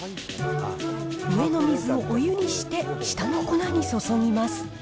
上の水をお湯にして下の粉に注ぎます。